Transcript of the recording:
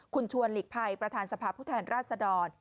คุณชวนหลีกภัยประธานสภาพผู้แทนราชดร